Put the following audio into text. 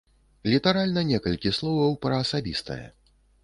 Літаральна некалькі словаў пра асабістае.